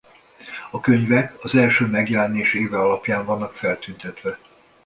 A könyvek az első megjelenés éve alapján vannak feltüntetve.